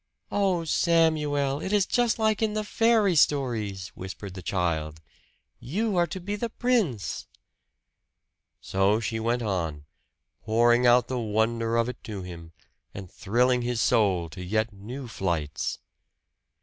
"Oh, Samuel, it is just like in the fairy stories!" whispered the child. "You are to be the prince!" So she went on, pouring out the wonder of it to him, and thrilling his soul to yet new flights.